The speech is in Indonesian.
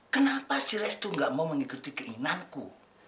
kenapa si restu tidak mau mengikuti keinginanku